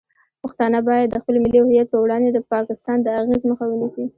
پښتانه باید د خپل ملي هویت په وړاندې د پاکستان د اغیز مخه ونیسي.